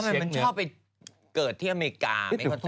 เอ๊ะทำไมมันชอบไปเกิดที่อเมริกาไม่เข้าใจ